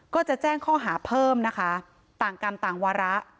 ก็จะแจ้งข้อหาเพิ่มนะคะต่างกรรมต่างวาระ